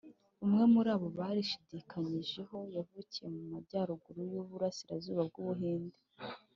umwe muri abo barishidikanyijeho yavukiye mu majyaruguru y’uburasirazuba bw’u buhindi